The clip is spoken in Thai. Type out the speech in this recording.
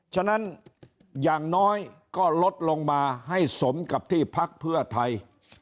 ฉะนั้นอย่างน้อยก็ลดลงมาให้สมกับที่พักเพื่อไทย